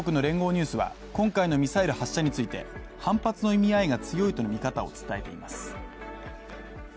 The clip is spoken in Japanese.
ニュースは今回のミサイル発射について反発の意味合いが強いとの見方を伝えています。